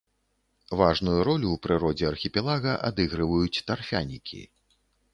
Важную ролю ў прыродзе архіпелага адыгрываюць тарфянікі.